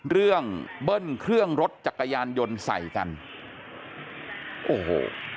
เบิ้ลเครื่องรถจักรยานยนต์ใส่กันโอ้โห